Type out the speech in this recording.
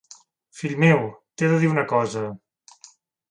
Fill meu, t'he de dir una cosa.